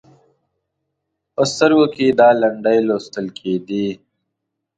په سترګو کې یې دا لنډۍ لوستل کېدې: